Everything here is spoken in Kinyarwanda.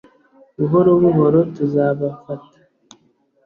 buhoro buhoro tuzabafata